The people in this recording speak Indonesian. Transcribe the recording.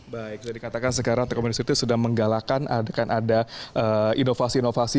baik jadi katakan sekarang telkom universiti sudah menggalakkan adekan ada inovasi inovasi